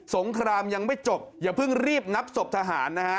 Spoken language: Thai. งครามยังไม่จบอย่าเพิ่งรีบนับศพทหารนะฮะ